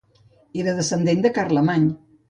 Era descendent de Carlemany.